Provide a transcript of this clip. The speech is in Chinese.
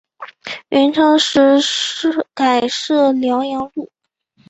元朝时改置辽阳路。